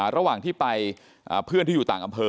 เราจะไปกับเพื่อนที่อยู่ต่างอำเภอ